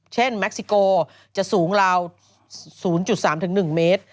แม็กซิโกจะสูงราว๐๓๑เมตร